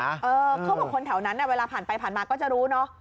เขาบอกคนแถวนั้นเวลาผ่านไปผ่านมาก็จะรู้เนอะ